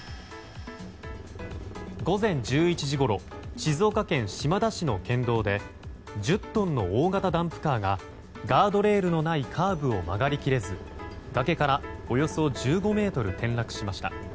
午前１１時ごろ静岡県島田市の県道で１０トンの大型ダンプカーがガードレールのないカーブを曲がり切れず崖からおよそ１５ｍ転落しました。